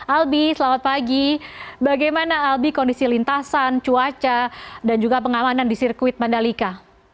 albi selamat pagi bagaimana albi kondisi lintasan cuaca dan juga pengamanan di sirkuit mandalika